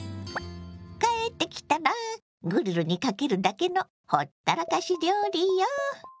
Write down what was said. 帰ってきたらグリルにかけるだけのほったらかし料理よ。